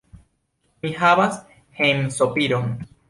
Mi havas hejmsopiron.